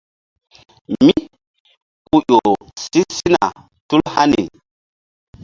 Mí ku ƴo si sina tul hani.